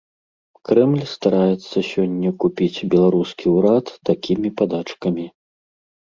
Крэмль стараецца сёння купіць беларускі ўрад такімі падачкамі.